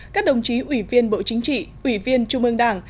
các đồng chí ủy viên bộ chính trị ủy viên trung ương đảng